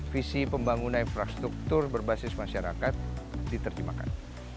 visi pembangunan infrastruktur berbasis masyarakat diterjemahkan